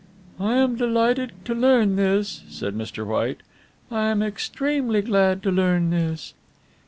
"I am delighted to learn this," said Mr. White. "I am extremely glad to learn this."